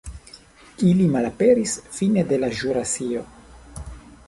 Ili malaperis fine de la ĵurasio.